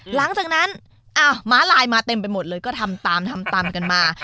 หลังจากนั้นม้าลายมาเต็มไปหมดเลยก็ทำตามทำตามกันมา